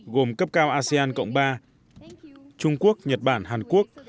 gồm cấp cao asean cộng ba trung quốc nhật bản hàn quốc